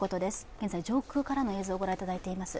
現在、上空からの映像をご覧いただいています。